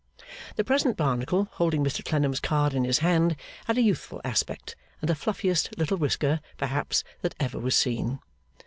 The present Barnacle, holding Mr Clennam's card in his hand, had a youthful aspect, and the fluffiest little whisker, perhaps, that ever was seen.